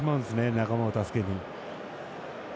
仲間を助けに。